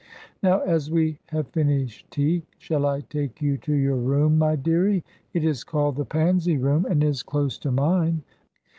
Now, as we have finished tea, shall I take you to your room, my dearie? It is called the Pansy Room, and is close to mine.